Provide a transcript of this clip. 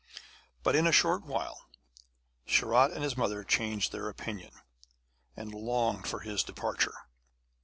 But in a short while Sharat and his mother changed their opinion, and longed for his departure.